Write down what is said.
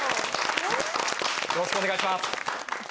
よろしくお願いします。